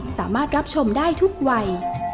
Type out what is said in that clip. สามารถรับชมได้ทุกวัย